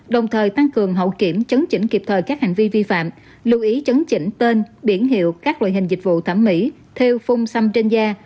đồng thời tăng cường hậu kiểm chứng chỉnh kịp thời các hành vi vi phạm lưu ý chấn chỉnh tên biển hiệu các loại hình dịch vụ thẩm mỹ theo phung xâm trên da